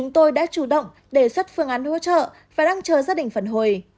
tôi đã chủ động đề xuất phương án hỗ trợ và đang chờ gia đình phản hồi